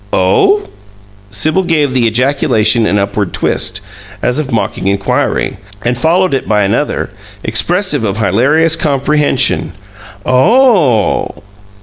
"Oh?" Sibyl gave the ejaculation an upward twist, as of mocking inquiry, and followed it by another, expressive of hilarious comprehension. "OH!"